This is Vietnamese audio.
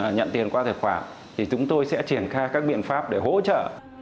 nhận tiền qua tài khoản thì chúng tôi sẽ triển khai các biện pháp để hỗ trợ